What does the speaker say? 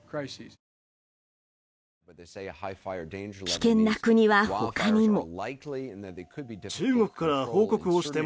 危険な国は他にも。